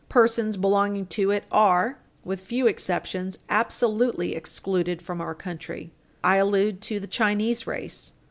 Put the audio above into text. Persons belonging to it are, with few exceptions, absolutely excluded from our country. I allude to the Chinese race.